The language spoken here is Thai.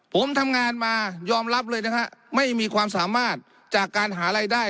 ผมทำงานมายอมรับเลยนะฮะไม่มีความสามารถจากการหารายได้